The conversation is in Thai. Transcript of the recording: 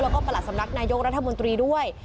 แล้วก็ประหลัดสำนักนายกรัฐมนตรีด้วย